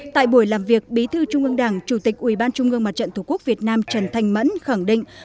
tại buổi làm việc bí thư trung ương đảng chủ tịch ủy ban trung ương mặt trận tổ quốc việt nam trần thanh mẫn khẳng định